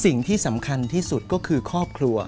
สิ่งที่สำคัญที่สุดก็คือครอบครัว